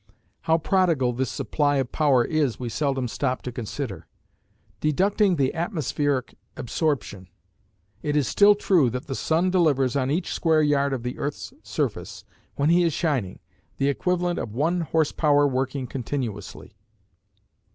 How prodigal this supply of power is we seldom stop to consider. Deducting the atmospheric absorption, it is still true that the sun delivers on each square yard of the earth's surface, when he is shining, the equivalent of one horse power working continuously.